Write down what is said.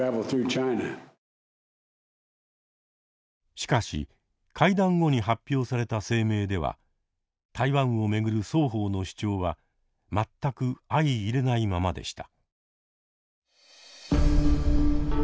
しかし会談後に発表された声明では台湾を巡る双方の主張は全く相いれないままでした。